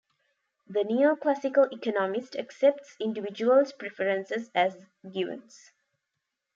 The neo-classical economist accepts individuals' preferences as givens.